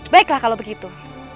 baiklah kalau begitu